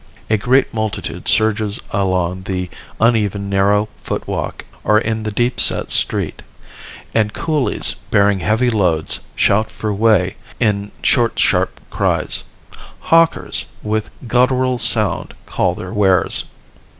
A great multitude surges along the uneven narrow footwalk or in the deepset street; and coolies, bearing heavy loads, shout for way in short sharp cries. Hawkers with guttural sound call their wares.